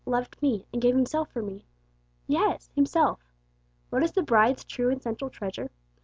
loved me, and gave Himself for me.' Yes, Himself! What is the Bride's true and central treasure?